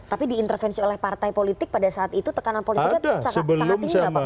tapi diintervensi oleh partai politik pada saat itu tekanan politiknya sangat tinggi nggak pak